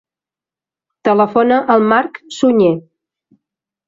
Telefona al Marc Suñe.